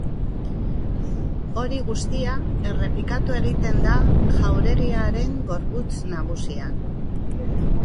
Hori guztia errepikatu egiten da jauregiaren gorputz nagusian.